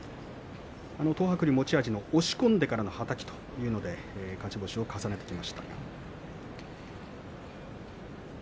東白龍、持ち味の押し込んでからのはたき勝ち星を重ねてきています。